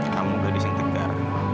kamu gadis yang tegar